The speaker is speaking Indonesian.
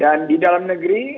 dan di dalam negeri bisa berwisata